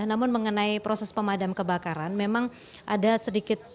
namun mengenai proses pemadam kebakaran memang ada sedikit